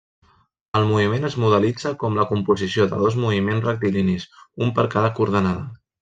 El moviment es modelitza com la composició de dos moviments rectilinis, un per cada coordenada.